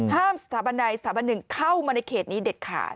สถาบันใดสถาบันหนึ่งเข้ามาในเขตนี้เด็ดขาด